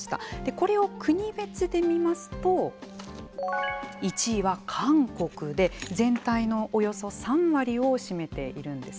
これを国別で見ますと１位は韓国で全体のおよそ３割を占めているんです。